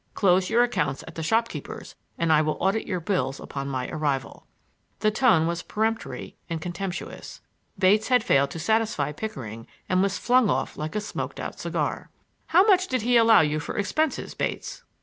"Close your accounts at the shopkeepers' and I will audit your bills on my arrival." The tone was peremptory and contemptuous. Bates had failed to satisfy Pickering and was flung off like a smoked out cigar. "How much had he allowed you for expenses, Bates?"